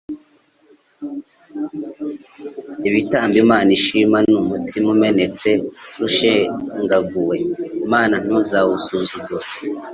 "Ibitambo Imana ishima ni umutima umenetse, ushenjaguwe; Mana ntuzawusuzugura."